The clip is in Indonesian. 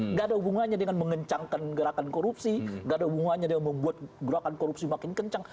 nggak ada hubungannya dengan mengencangkan gerakan korupsi gak ada hubungannya dengan membuat gerakan korupsi makin kencang